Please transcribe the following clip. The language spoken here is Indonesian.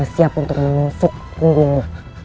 siap untuk menyusuk punggungmu